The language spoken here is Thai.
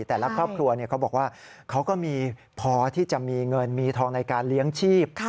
แต่ละครอบครัวเขาบอกว่าเขาก็มีพอที่จะมีเงินมีทองในการเลี้ยงชีพ